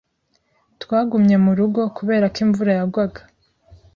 Twagumye mu rugo kubera ko imvura yagwaga.